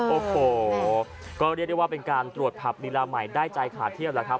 โอ้โหก็เรียกได้ว่าเป็นการตรวจผับลีลาใหม่ได้ใจขาดเที่ยวแล้วครับ